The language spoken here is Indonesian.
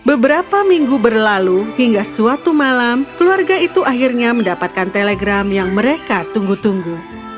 beberapa minggu berlalu hingga suatu malam keluarga itu akhirnya mendapatkan telegram yang mereka tunggu tunggu